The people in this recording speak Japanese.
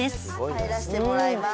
入らせてもらいます。